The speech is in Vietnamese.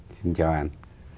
xin chào anh